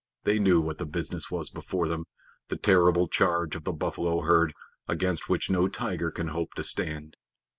They knew what the business was before them the terrible charge of the buffalo herd against which no tiger can hope to stand.